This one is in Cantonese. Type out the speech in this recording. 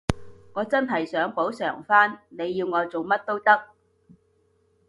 我真係想補償返，你要我做乜都得